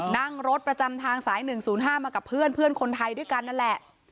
นั่งรถประจำทางสาย๑๐๕มากับเพื่อนคนไทยด้วยกันนั่นแหละ